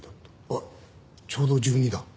あっちょうど１２だ。